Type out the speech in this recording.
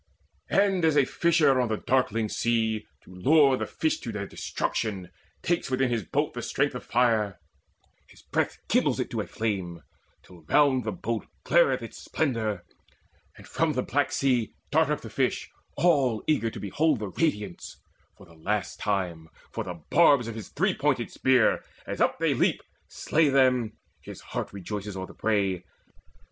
And as a fisher on the darkling sea, To lure the fish to their destruction, takes Within his boat the strength of fire; his breath Kindles it to a flame, till round the boat Glareth its splendour, and from the black sea Dart up the fish all eager to behold The radiance for the last time; for the barbs Of his three pointed spear, as up they leap, Slay them; his heart rejoices o'er the prey.